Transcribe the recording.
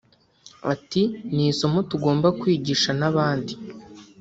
Ati “Ni isomo tugomba kwigisha n’abandi